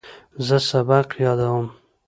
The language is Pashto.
زه سبق یادوم.